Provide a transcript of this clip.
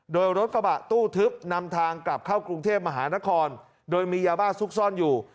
โดยรถกระบะตู้ทึบนำทางกลับเข้ากรุงเทพมหานครโดยมียาบ้าซุกซ่อนอยู่